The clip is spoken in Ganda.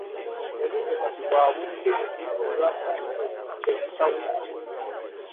Obudde kati bwa bunkenke olwa Bbomu ezitabuse